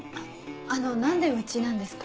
あの何でうちなんですか？